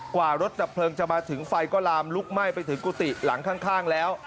กว่ารถดับเพลิงจะมาถึงไฟก็ลามลุกไหม้ไปถึงกุฏิหลังข้างแล้ว